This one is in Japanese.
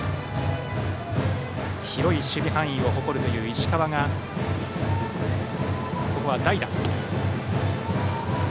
広い守備範囲を誇るという石川がここは代打。